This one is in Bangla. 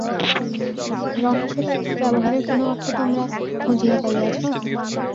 রমেশের এইরূপ ব্যবহারের কোনো অর্থ তোমরা খুঁজিয়া পাইয়াছ?